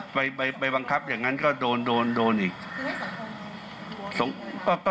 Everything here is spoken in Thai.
ไปบังคับอย่างนั้นก็โดนโดนอีก